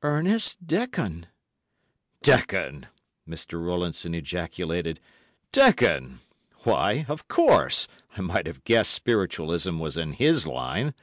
"Ernest Dekon!" "Dekon!" Mr. Rowlandson ejaculated. "Dekon! Why, of course, I might have guessed Spiritualism was in his line.